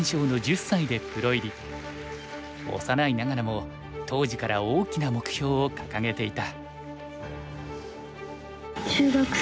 幼いながらも当時から大きな目標を掲げていた。